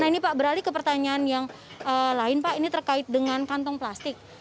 nah ini pak beralih ke pertanyaan yang lain pak ini terkait dengan kantong plastik